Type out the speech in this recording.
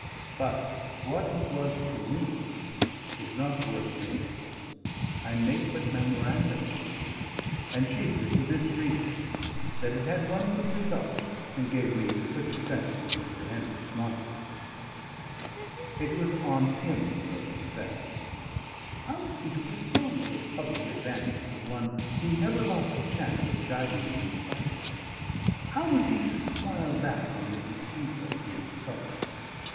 But what it was to me is not worth notice. I make but memorandum of it here; and chiefly for this reason, that it had one good result, and gave me the quicker sense of Mr. Henry's martyrdom. It was on him the burthen fell. How was he to respond to the public advances of one who never lost a chance of gibing him in private? How was he to smile back on the deceiver and the insulter?